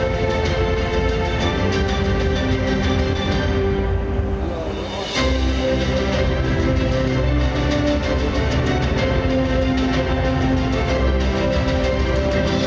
แซมชื่อคุณทิคาทิชาจะรับรับคุณก่อนที่จะขึ้นรถไปโปรด